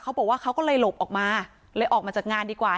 เขาบอกว่าเขาก็เลยหลบออกมาเลยออกมาจากงานดีกว่า